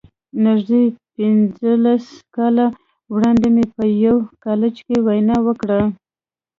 نږدې پينځلس کاله وړاندې مې په يوه کالج کې وينا وکړه.